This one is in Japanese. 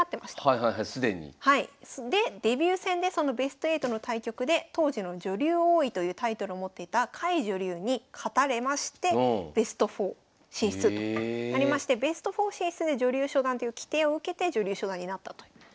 はいはい既に。でデビュー戦でそのベスト８の対局で当時の女流王位というタイトルを持っていた甲斐女流に勝たれましてベスト４進出となりましてベスト４進出で女流初段という規定を受けて女流初段になったと。